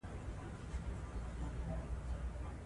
د ګور کلمه د کبر مانا نه ده.